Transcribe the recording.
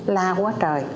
la quá trời